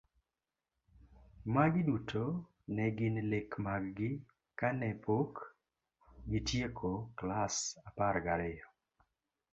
Magi duto ne gin lek mag gi kane pok gitieko klas apar gariyo.